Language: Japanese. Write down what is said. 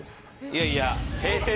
いやいや。